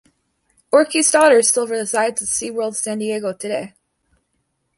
Orky's daughter still resides at SeaWorld San Diego today.